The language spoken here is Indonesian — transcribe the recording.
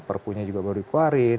perpunya juga baru dikeluarin